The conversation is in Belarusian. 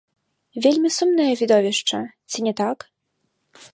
Вельмі сумнае відовішча, ці не так?